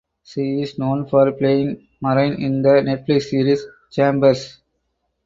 She is known for playing Marnie in the Netflix series "Chambers".